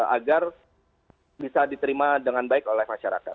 agar bisa diterima dengan baik oleh masyarakat